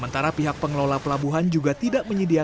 daripada kita nyebrang juga tak bisa